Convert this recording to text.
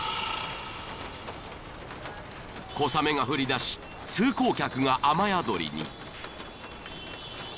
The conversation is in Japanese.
［小雨が降りだし通行客が雨宿りに］